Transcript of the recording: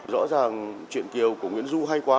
rõ ràng chuyện kiều của nguyễn du hay quá